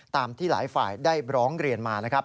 ตามที่หลายฝ่ายได้ร้องเรียนมานะครับ